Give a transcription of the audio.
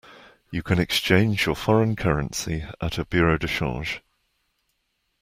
You can exchange your foreign currency at a bureau de change